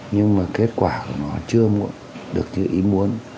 nhưng mà kết quả của nó chưa muộn được như ý muốn